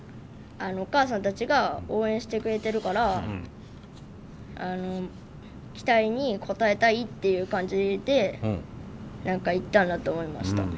お母さんたちが応援してくれてるから期待に応えたいっていう感じで言ったんだと思いました。